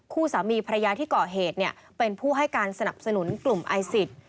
คู่สามีภรรยาที่เกาะเหตุเป็นผู้ให้สนับสนุนกลุ่มไอศิษฐ์